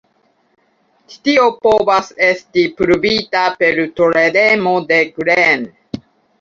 Ĉi tio povas esti pruvita per teoremo de Green.